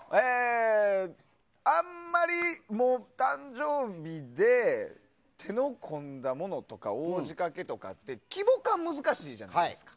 あんまり誕生日で手の込んだものとか大仕掛けとかって規模感、難しいじゃないですか。